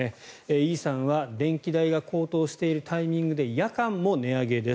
Ｅさんは電気代が高騰しているタイミングで夜間も値上げです。